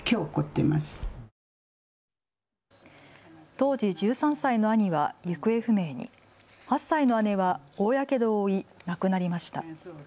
当時１３歳の兄は行方不明に、８歳の姉は大やけどを負い亡くなりました。